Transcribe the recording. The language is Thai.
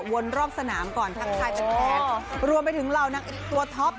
วนรอบสนามก่อนทั้งทายทั้งแทนรวมไปถึงเรานักอิทธิตย์ตัวท็อป